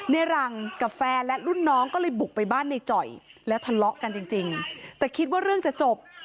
ในรังกับแฟนและรุ่นน้องก็เลยบุกไปบ้านในจ่อยแล้วทะเลาะกันจริงแต่คิดว่าเรื่องจะจบ